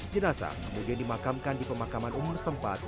jenasa kemudian dimakamkan di pemakaman umum setempat